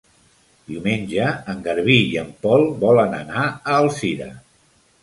Diumenge en Garbí i en Pol volen anar a Alzira.